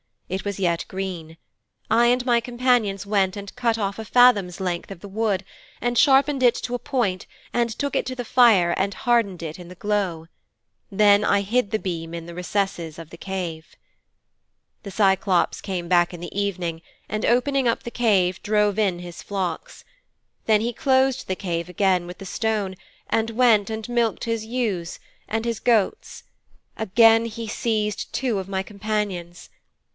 It was yet green. I and my companions went and cut off a fathom's length of the wood, and sharpened it to a point and took it to the fire and hardened it in the glow. Then I hid the beam in a recess of the cave.' 'The Cyclops came back in the evening, and opening up the cave drove in his flocks. Then he closed the cave again with the stone and went and milked his ewes and his goats. Again he seized two of my companions.